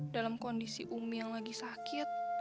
dalam kondisi umi yang lagi sakit